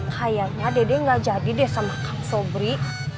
kayaknya dede gak jadi deh sama kak sobri